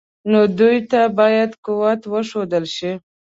نو دوی ته باید قوت وښودل شي.